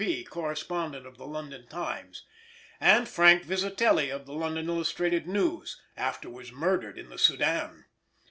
P., correspondent of the London Times, and Frank Vizitelli of the London Illustrated News, afterwards murdered in the Soudan.